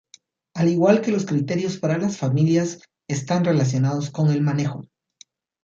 Al igual que los criterios para las familias, están relacionadas con el manejo.